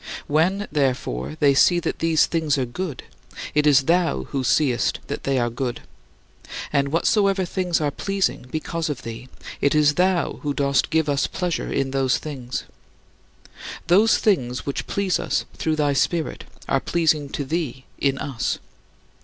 When, therefore, they see that these things are good, it is thou who seest that they are good; and whatsoever things are pleasing because of thee, it is thou who dost give us pleasure in those things. Those things which please us through thy Spirit are pleasing to thee in us.